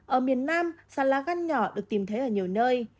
ở miền nam sàn lá gan nhỏ được tìm thấy ở nhiều nơi